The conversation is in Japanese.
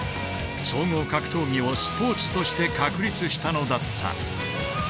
総合格闘技をスポーツとして確立したのだった。